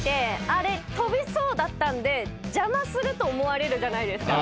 あれ跳びそうだったんで邪魔すると思われるじゃないですか。